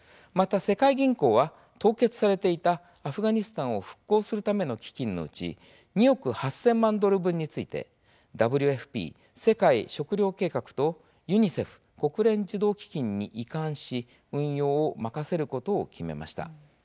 また、世界銀行は凍結されていたアフガニスタンを復興するための基金のうち２億８０００万ドル分についてＷＦＰ・世界食糧計画とユニセフに移管し運用を任せることを決めました。